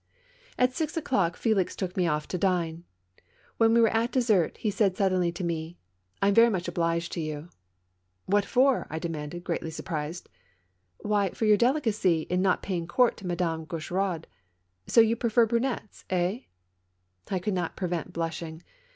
At six o'clock F^lix took me off to dine. When we were at the dessert, he suddenly said to me :'' I'm very much obliged to you !"" What for? " I demanded, greatly surprised. " Why for your delicacy in not paying court to Madame Gaucheraud. So you prefer brunettes, eh ?'' I could not prevent blushing.